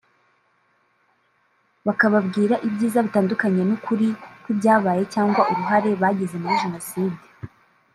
bakababwira ibyiza bitandukanye n’ukuri kw’ibyabaye cyangwa uruhare bagize muri jenoside